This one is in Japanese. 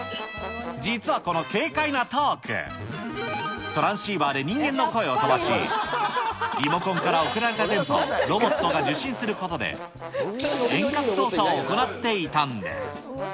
実はこの軽快なトーク、トランシーバーで人間の声を飛ばし、リモコンから送られた電波をロボットが受信することで、遠隔操作を行っていたんです。